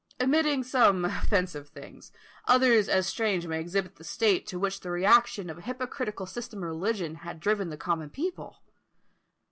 Omitting some offensive things, others as strange may exhibit the state to which the reaction of an hypocritical system of religion had driven the common people.